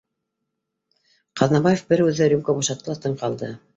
Ҡаҙнабаев бер үҙе рюмка бушатты ла тын ҡалды